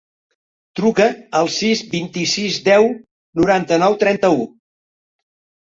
Truca al sis, vint-i-sis, deu, noranta-nou, trenta-u.